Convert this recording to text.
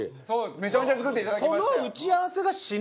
めちゃめちゃ作っていただきましたよ。